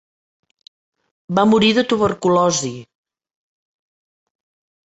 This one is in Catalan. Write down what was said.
Va morir de tuberculosi.